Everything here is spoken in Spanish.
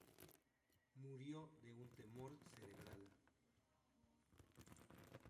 Murió de un tumor cerebral.